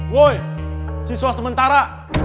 woy siswa sementara